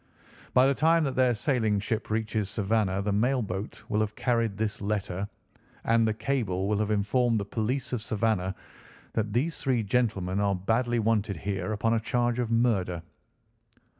By the time that their sailing ship reaches Savannah the mail boat will have carried this letter, and the cable will have informed the police of Savannah that these three gentlemen are badly wanted here upon a charge of murder."